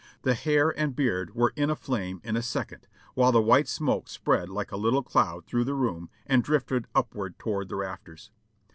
The hair and beard were in a flame in a second, while the white smoke spread like a little cloud through the room and drifted upward toward the rafters.